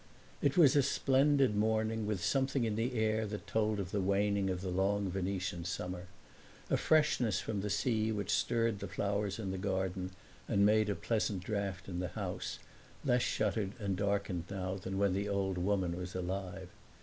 It was a splendid morning, with something in the air that told of the waning of the long Venetian summer; a freshness from the sea which stirred the flowers in the garden and made a pleasant draught in the house, less shuttered and darkened now than when the old woman was alive.